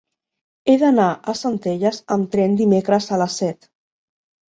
He d'anar a Centelles amb tren dimecres a les set.